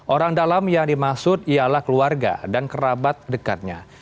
orang dalam yang dimaksud ialah keluarga dan kerabat dekatnya